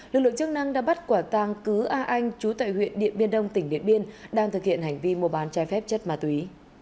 lực lượng chức năng đã bắt quả tàng cứ a anh chú tại huyện điện biên đông tỉnh điện biên đang thực hiện hành vi mua bán trái phép chất ma túy